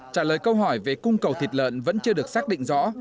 trả lời câu hỏi về cung cầu thịt lợn vẫn chưa được xác định rõ